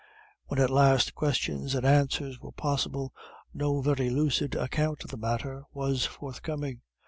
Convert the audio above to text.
When at last questions and answers were possible, no very lucid account of the matter was forthcoming.